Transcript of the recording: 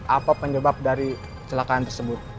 apa penyebab dari kecelakaan tersebut